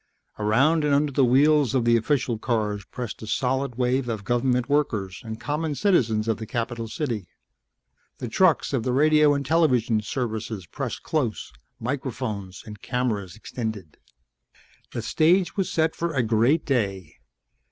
Around and under the wheels of the official cars pressed a solid wave of government workers and common citizens of the capital city. The trucks of the radio and television services pressed close, microphones and cameras extended. The stage was set for a great day.